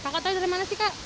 kakak tahu dari mana sih kak